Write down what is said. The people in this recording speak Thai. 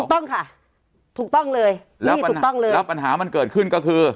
ถูกต้องค่ะถูกต้องเลยนี่ถูกต้องเลยแล้วปัญหามันเกิดขึ้นก็คือ